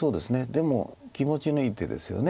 でも気持ちのいい手ですよね。